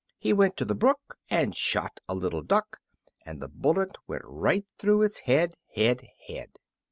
He went to the brook and shot a little duck, And the bullet went right through its head, head, head.